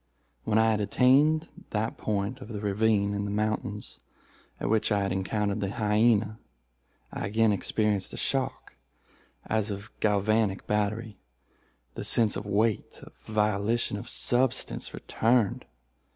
When I had attained that point of the ravine in the mountains at which I had encountered the hyena, I again experienced a shock as of a galvanic battery; the sense of weight, of volition, of substance, returned.